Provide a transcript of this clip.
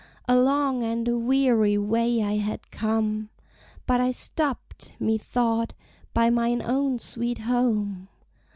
A long and a weary way I had come; But I stopped, methought, by mine own sweet home.